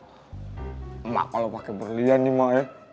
emak kalo pake berlian nih emak ya